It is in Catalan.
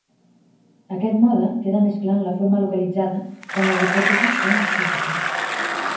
Aquest mode queda més clar en la forma localitzada quan les hipòtesis són explícites.